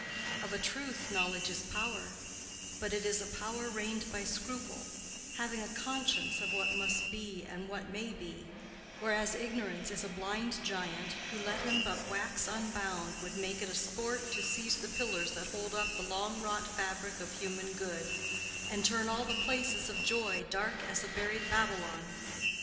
Of a truth, Knowledge is power, but it is a power reined by scruple, having a conscience of what must be and what may be; whereas Ignorance is a blind giant who, let him but wax unbound, would make it a sport to seize the pillars that hold up the long wrought fabric of human good, and turn all the places of joy dark as a buried Babylon.